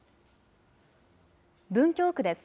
文京区です。